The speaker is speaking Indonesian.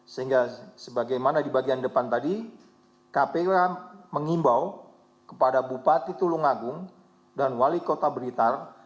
sehingga sebagaimana di bagian depan tadi kpk mengimbau kepada bupati tulungagung dan wali kota blitar